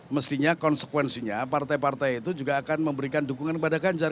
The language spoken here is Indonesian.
mestinya konsekuensinya partai partai itu juga akan memberikan dukungan kepada ganjar